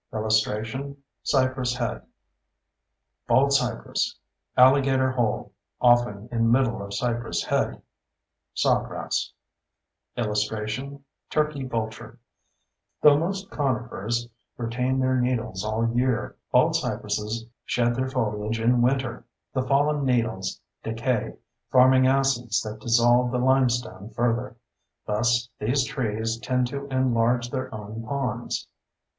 [Illustration: Cypress head] BALDCYPRESS ALLIGATOR HOLE (often in middle of cypress head) SAWGRASS [Illustration: TURKEY VULTURE] Though most conifers retain their needles all year, baldcypresses shed their foliage in winter. The fallen needles decay, forming acids that dissolve the limestone further; thus these trees tend to enlarge their own ponds.